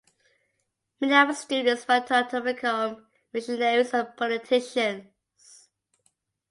Many of the students went on to become missionaries and politicians.